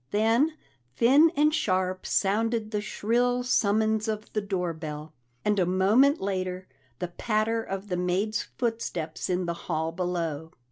Then, thin and sharp sounded the shrill summons of the door bell, and a moment later, the patter of the maid's footsteps in the hall below.